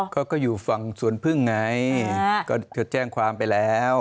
เขาก็อยู่ฝั่งสวนพึ่งไงก็จดแจ้งความไปแล้ว